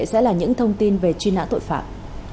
sẽ là những thông tin về truy nã tội phạm